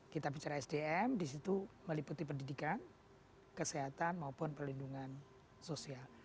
kita bicara sdm di situ meliputi pendidikan kesehatan maupun perlindungan sosial